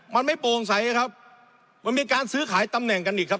มันไม่โปร่งใสนะครับมันมีการซื้อขายตำแหน่งกันอีกครับ